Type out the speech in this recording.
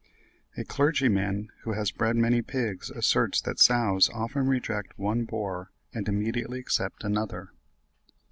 A clergyman, who has bred many pigs, asserts that sows often reject one boar and immediately accept another.